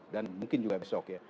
dan mungkin juga besok ya